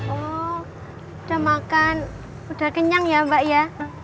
oh udah makan udah kenyang ya mbak ya